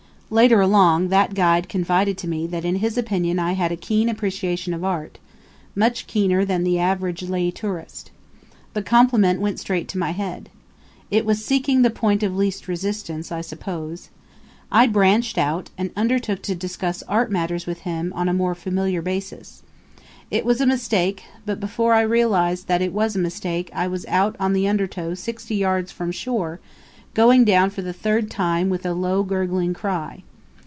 Later along, that guide confided to me that in his opinion I had a keen appreciation of art, much keener than the average lay tourist. The compliment went straight to my head. It was seeking the point of least resistance, I suppose. I branched out and undertook to discuss art matters with him on a more familiar basis. It was a mistake; but before I realized that it was a mistake I was out in the undertow sixty yards from shore, going down for the third time, with a low gurgling cry.